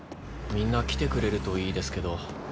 みんな来てくれるといいですけど。